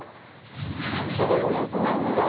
好きなんですねお風呂。